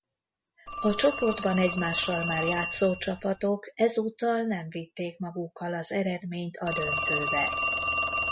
A csoportban egymással már játszó csapatok ezúttal nem vitték magukkal az eredményt a döntőbe.